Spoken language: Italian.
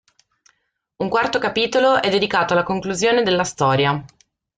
Un quarto capitolo è dedicato alla conclusione della storia.